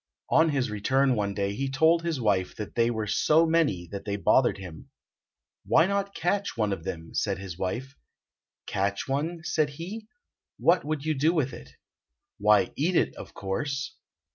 On his return one day he told his wife that they were so many that they bothered him. "Why not catch one of them?" said his wife. "Catch one?" said he. "What would you do with it?" "Why, eat it, of course."